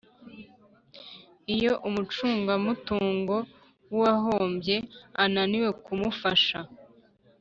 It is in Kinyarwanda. Iyo umucungamutungo w uwahombye ananiwe kumufasha